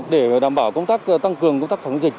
để đảm bảo công tác tăng cường công tác phòng dịch